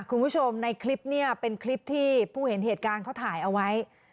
คุณผู้ชมในคลิปเนี่ยเป็นคลิปที่ผู้เห็นเหตุการณ์เขาถ่ายเอาไว้